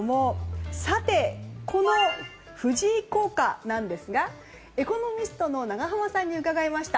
さて、この藤井効果なんですがエコノミストの永濱さんに伺いました。